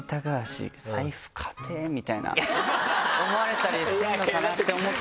みたいな思われたりするのかなと思って。